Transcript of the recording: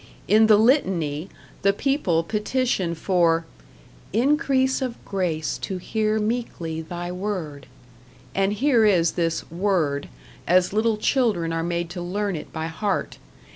In the Litany the people petition for "increase of grace to hear meekly Thy Word"; and here is this "Word," as little children are made to learn it by heart.